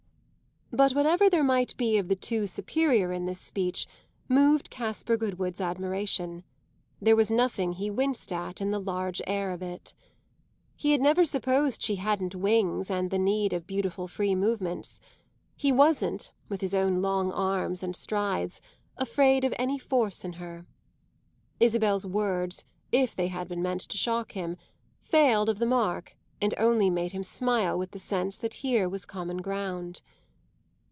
But whatever there might be of the too superior in this speech moved Caspar Goodwood's admiration; there was nothing he winced at in the large air of it. He had never supposed she hadn't wings and the need of beautiful free movements he wasn't, with his own long arms and strides, afraid of any force in her. Isabel's words, if they had been meant to shock him, failed of the mark and only made him smile with the sense that here was common ground.